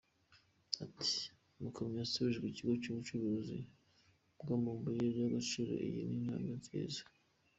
Ati “Amakamyo yasubijwe ikigo cy’ubucukuzi bw’amabuye y’agaciro, iyi ni intambwe nziza.